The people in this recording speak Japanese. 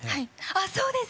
あそうです！